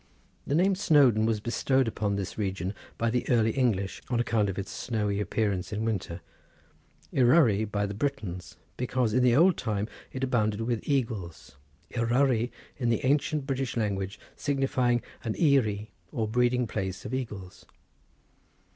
The name Snowdon was bestowed upon this region by the early English on account of its snowy appearance in winter; Eryri by the Britons, because in the old time it abounded with eagles, Eryri {172b} in the ancient British language signifying an eyrie or breeding place of eagles.